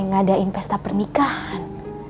ngadain pesta pernikahan